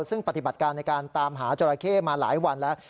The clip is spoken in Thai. ซึ่งปฏิบัติการในการตามหาจราเข้มาหลายวันแล้ว